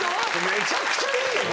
めちゃくちゃいいよこれ。